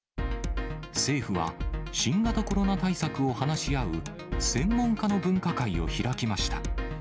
政府は、新型コロナ対策を話し合う、専門家の分科会を開きました。